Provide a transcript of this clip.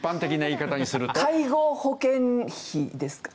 介護保険費ですか？